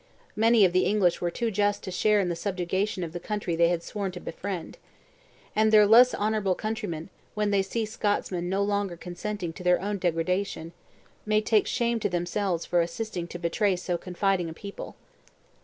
Many of the English were too just to share in the subjugation of the country they had sworn to befriend. And their less honorable countrymen, when they see Scotsmen no longer consenting to their own degradation, may take shame to themselves for assisting to betray a confiding people."